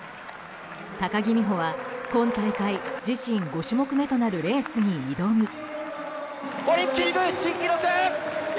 高木美帆は今大会自身５種目めとなるレースに挑み。